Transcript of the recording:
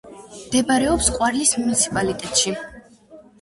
მდებარეობს ყვარლის მუნიციპალიტეტში.